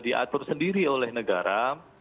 diatur sendiri oleh negara